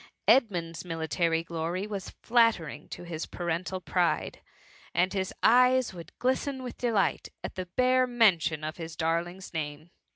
Edmund^s military glory was flattering to his parental pride, and his eyes would glisten with delight at the bare mention of his darling's name.